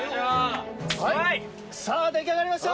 さあ、出来上がりました。